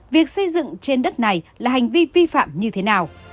việc xây dựng trên đất này là hành vi vi phạm như thế nào